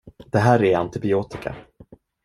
Det här är antibiotika.